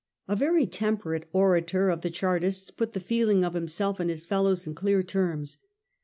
A very temperate orator of the Chartists put the feeling of himself and his fellows in clear terms.